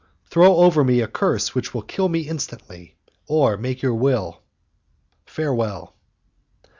Throw over me a curse which will kill me instantly, or make your will. Farewell!"